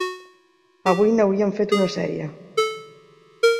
Avui n'haurien fet una sèrie.